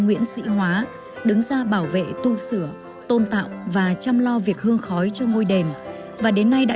nguyễn sĩ hóa đứng ra bảo vệ tu sửa tôn tạo và chăm lo việc hương khói cho ngôi đền và đến nay đã